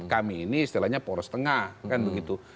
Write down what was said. kami ini istilahnya poros tengah kan begitu